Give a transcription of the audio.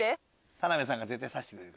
田辺さんが指してくれる。